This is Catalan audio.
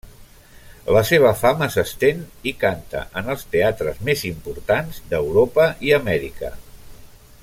La seva fama s’estén i canta en els teatres més importants d’Europa i Amèrica.